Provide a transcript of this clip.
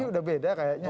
ini udah beda kayaknya